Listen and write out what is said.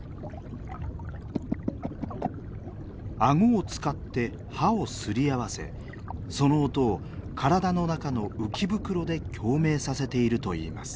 顎を使って歯をすり合わせその音を体の中の浮き袋で共鳴させているといいます。